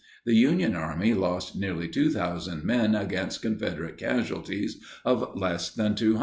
The Union Army lost nearly 2,000 men against Confederate casualties of less than 200.